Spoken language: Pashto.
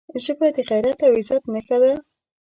ژبه د غیرت او عزت نښه ده